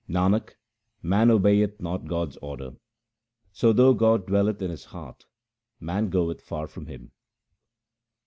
Nanak, man obeyeth not God's order ; so, though God dwelleth in his heart, man goeth far from Him.